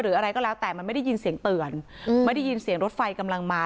อะไรก็แล้วแต่มันไม่ได้ยินเสียงเตือนไม่ได้ยินเสียงรถไฟกำลังมา